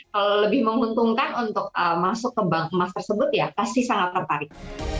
kalau lebih menguntungkan untuk masuk ke bank emas tersebut ya pasti sangat tertarik